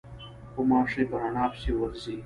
غوماشې په رڼا پسې ورځي.